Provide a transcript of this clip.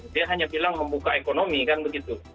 dia hanya bilang membuka ekonomi kan begitu